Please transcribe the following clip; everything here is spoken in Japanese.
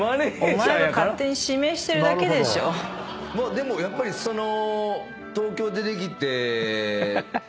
「でもやっぱりその」